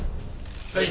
はい。